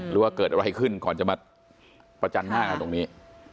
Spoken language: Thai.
หรือว่าเกิดอะไรขึ้นก่อนจะมาประจันหน้ากันตรงนี้